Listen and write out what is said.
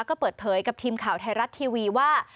ก็เปิดเผยกับทีมข่าวไทยรัฐทีวีว่า